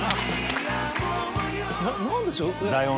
何でしょう？